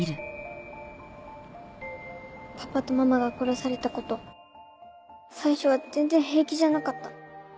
パパとママが殺されたこと最初は全然平気じゃなかった。